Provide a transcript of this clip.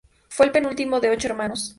Fue el penúltimo de ocho hermanos.